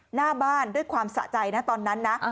หน้าบ้านด้วยความสะใจนะตอนนั้นนะ